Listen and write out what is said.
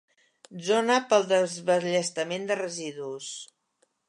Zona per al desballestament de residus.